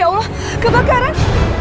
ya allah kebakaran